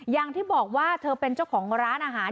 อย่างที่บอกว่าเธอเป็นเจ้าของร้านอาหาร